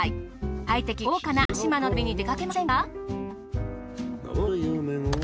快適豪華な伊勢志摩の旅に出かけませんか？